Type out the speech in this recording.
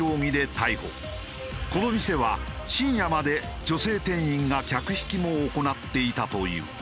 この店は深夜まで女性店員が客引きも行っていたという。